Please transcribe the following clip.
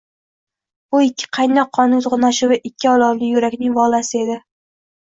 Bu ikki qaynoq qonning toʻqnashuvi, ikki olovli yurakning volasi edi